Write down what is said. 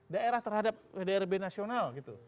daerah terhadap wdrb nasional gitu